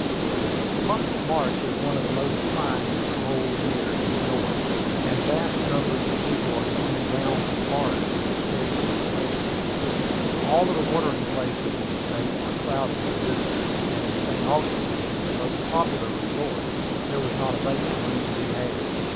The month of March is one of the most trying in the whole year in the North, and vast numbers of people had come down to Florida to escape its rigors. All the watering places in the State were crowded with visitors, and in St. Augustine, the most popular resort, there was not a vacant room to be had.